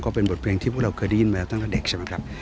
เป็นบทเพลงที่พวกเราเคยได้ยินมาตั้งแต่เด็กใช่ไหมครับ